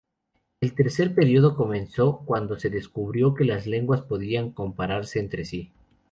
El tercer período comenzó cuando se descubrió que las lenguas podían compararse entre sí.